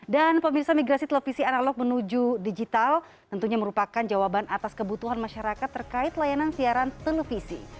dan pemirsa migrasi televisi analog menuju digital tentunya merupakan jawaban atas kebutuhan masyarakat terkait layanan siaran televisi